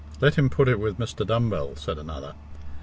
"Let him put it with Mr. Dumbell," said another.